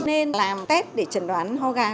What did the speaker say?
nên làm test để chẩn đoán ho gà